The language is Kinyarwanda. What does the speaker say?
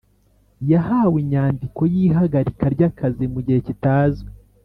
Yahawe inyandiko y’ihagarika ry’akazi mu gihe kitazwi